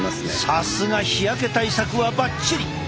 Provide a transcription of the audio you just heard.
さすが日焼け対策はばっちり！